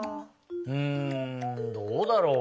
うんどうだろう？